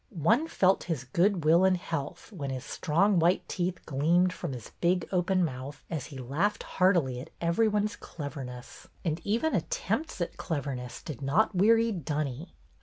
One felt his good will and health when his strong white teeth gleamed from his big open mouth as he laughed heartily at every one's cleverness; and even attempts at cleverness did not weary Dunny.